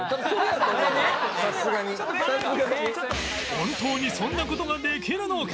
本当にそんな事ができるのか？